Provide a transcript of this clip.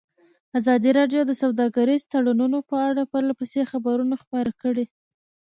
ازادي راډیو د سوداګریز تړونونه په اړه پرله پسې خبرونه خپاره کړي.